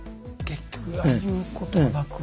結局言うことはなく。